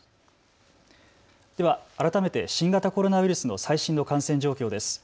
では改めて新型コロナウイルスの最新の感染状況です。